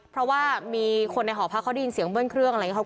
เพราะว่ามีคนในหอพักเขาได้ยินเสียงเบิ้ลเครื่องอะไรอย่างนี้